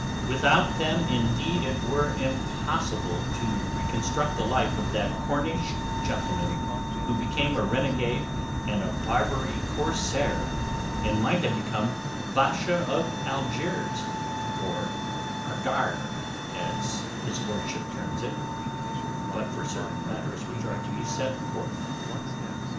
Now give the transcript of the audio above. Without them, indeed, it were impossible to reconstruct the life of that Cornish gentleman who became a renegade and a Barbary Corsair and might have become Basha of Algiers—or Argire, as his lordship terms it—but for certain matters which are to be set forth.